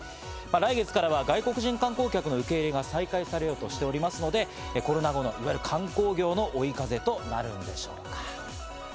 来月からは外国人観光客の受け入れが再開されようとしておりますので、コロナ後のいわゆる観光業の追い風となるでしょうか。